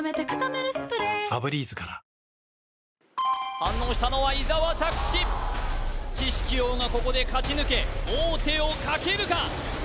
反応したのは伊沢拓司知識王がここで勝ち抜け王手をかけるか？